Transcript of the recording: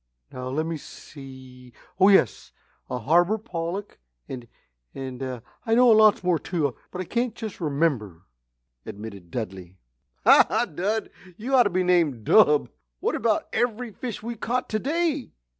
Now, let me see oh yes! a harbour pollock, and, and I know lots more too, but I can't just remember," admitted Dudley. "Ha, ha! Dud, you ought to be named 'Dub'! What about the very fish we caught to day?"